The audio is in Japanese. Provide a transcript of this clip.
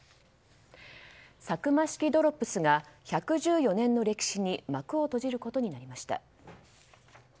サクマ式ドロップスが１１４年の歴史に幕を閉じることになりました。